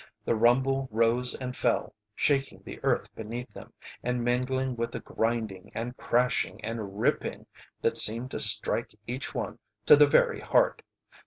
The rumble rose and fell, shaking the earth beneath them, and mingling with a grinding and crashing and ripping that seemed to strike each one to the very heart.